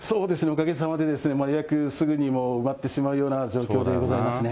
おかげさまでもう予約すぐに埋まってしまうような状況でございま